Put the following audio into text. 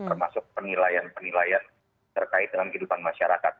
termasuk penilaian penilaian terkait dengan kehidupan masyarakat